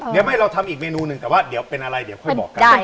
เดี๋ยวไม่เราทำอีกเมนูหนึ่งแต่ว่าเดี๋ยวเป็นอะไรเดี๋ยวค่อยบอกกัน